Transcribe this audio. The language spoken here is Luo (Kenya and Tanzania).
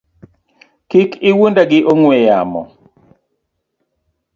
Kik iwuonda gi ong’we yamo